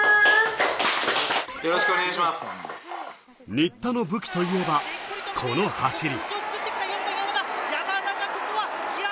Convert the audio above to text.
新田の武器といえばこの走り。